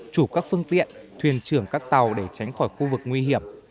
chủ các phương tiện thuyền trưởng các tàu để tránh khỏi khu vực nguy hiểm